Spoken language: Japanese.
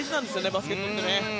バスケットって。